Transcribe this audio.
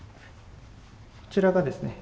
こちらがですね